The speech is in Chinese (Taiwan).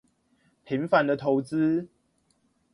平凡的投資